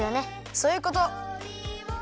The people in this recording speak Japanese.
そういうこと。